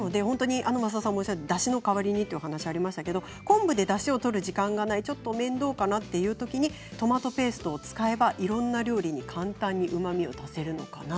だしの代わりにというお話がありましたが昆布でだしを取る時間がない、ちょっと面倒かなというときにトマトペーストを使えばいろんな料理に簡単にうまみを足せるんです。